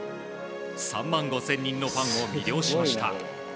３万５０００人のファンを魅了しました。